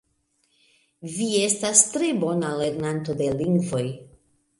Vi estas tre bona lernanto de lingvoj